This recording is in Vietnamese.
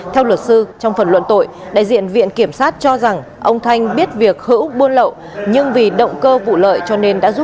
theo luật sư trong phần luận tội đại diện viện kiểm sát cho rằng ông thanh biết việc hữu buôn lậu